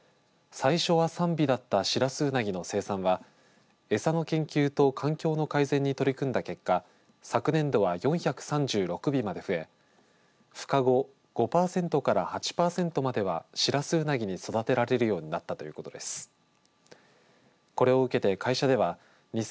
最初は３尾だったシラスウナギの生産は餌の研究と環境の改善に取り組んだ結果昨年度は４３６尾まで増えふ化後、５パーセントから８パーセントまでシラスウナギに育てられるようになったということです。